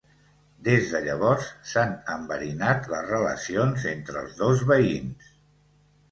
Des de llavors, s'han enverinat les relacions entre els dos veïns.